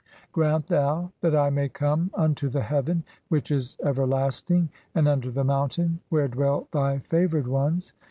"Grant thou that I may come unto the heaven which is ever lasting, and unto the mountain where dwell thy favoured ones.